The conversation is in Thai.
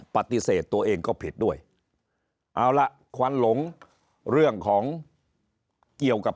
ปฏิเสธตัวเองก็ผิดด้วยเอาละควันหลงเรื่องของเกี่ยวกับ